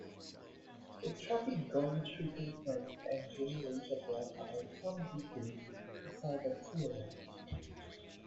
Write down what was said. The traffic gone trickle first and drain later brought about some decay to Salvatierra.